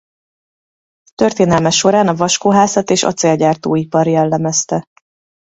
Történelme során a vaskohászat és acélgyártó-ipar jellemezte.